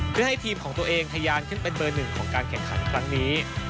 เพื่อให้ทีมของตัวเองทะยานขึ้นเป็นเบอร์หนึ่งของการแข่งขันครั้งนี้